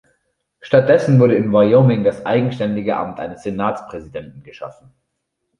Stattdessen wurde in Wyoming das eigenständige Amt eines Senatspräsidenten geschaffen.